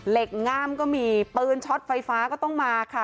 ง่ามก็มีปืนช็อตไฟฟ้าก็ต้องมาค่ะ